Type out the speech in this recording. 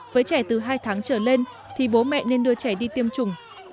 với trẻ từ hai tháng trở lên thì bố mẹ nên đưa trẻ đi tiêm chủng